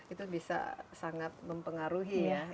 itu bisa sangat mempengaruhi ya